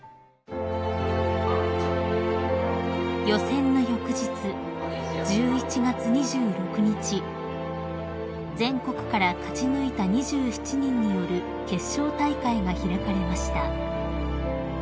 ［予選の翌日１１月２６日全国から勝ち抜いた２７人による決勝大会が開かれました］